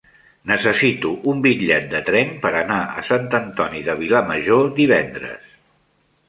Necessito un bitllet de tren per anar a Sant Antoni de Vilamajor divendres.